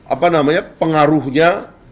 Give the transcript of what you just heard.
apa namanya pengaruhnya